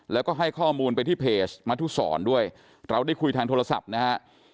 แล้วก็ให้ข้อมูลไปที่เพจมัธุศรด้วยเราได้คุยทางโทรศัพท์นะฮะ